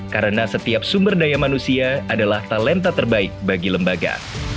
karena setiap sumber daya manusia adalah talenta terbaik bagi lembaga